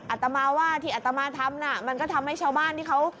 อาตมาท์ว่าที่ที่อาตมาท์ทำมันก็ทำให้ชาวบ้านที่เขา